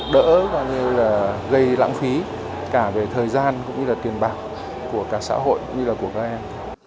đỡ gây lãng phí cả về thời gian cũng như là tiền bạc của cả xã hội cũng như là của các em